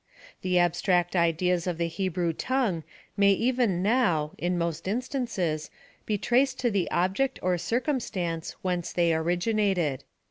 The abstract ideas of the Hebrew tongue may even now, in most instances, be traced to the object or circumstance whence they originated.